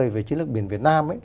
về chiến lược biển việt nam ấy